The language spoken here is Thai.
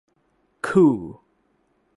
คูล